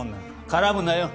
絡むなよ